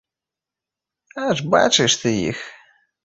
Аж бачыш ты іх!